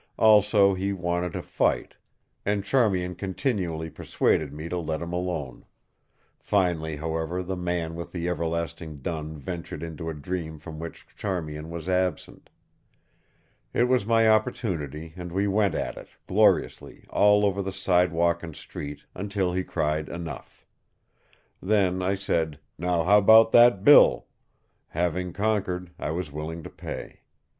Also, he wanted to fight; and Charmian continually persuaded me to let him alone. Finally, however, the man with the everlasting dun ventured into a dream from which Charmian was absent. It was my opportunity, and we went at it, gloriously, all over the sidewalk and street, until he cried enough. Then I said, "Now how about that bill?" Having conquered, I was willing to pay.